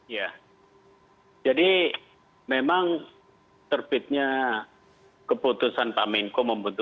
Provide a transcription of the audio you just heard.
ya jadi memang terbitnya keputusan pak menko